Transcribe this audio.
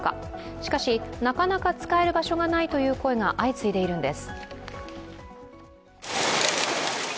しかし、なかなか使える場所がないという声が相次いでいるんです。